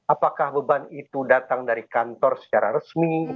apakah beban itu datang dari kantor secara resmi